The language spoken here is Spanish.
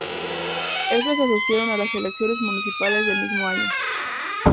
Estas se asociaron a las elecciones municipales del mismo año.